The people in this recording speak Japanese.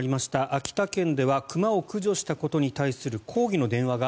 秋田県では熊を駆除したことに対する抗議の電話が